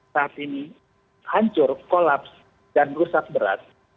saat ini hancur kolaps dan rusak berat